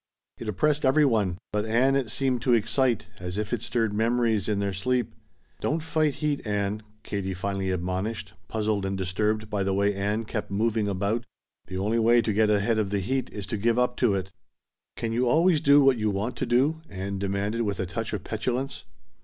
It oppressed every one, but Ann it seemed to excite, as if it stirred memories in their sleep. "Don't fight heat, Ann," Katie finally admonished, puzzled and disturbed by the way Ann kept moving about. "The only way to get ahead of the heat is to give up to it." "Can you always do what you want to do?" Ann demanded with a touch of petulance.